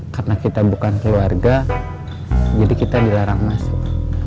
karena kita bukan keluarga jadi kita dilarang masuk